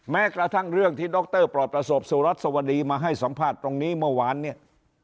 แม้กระทั่งเรื่องที่ดรปลอดประสบสุรัสสวดีมาให้สัมภาษณ์ตรงนี้เมื่อวานเนี่ย